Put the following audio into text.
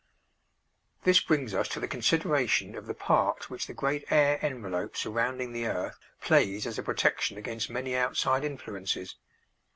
This brings us to the consideration of the part which the great air envelope surrounding the earth plays as a protection against many outside influences.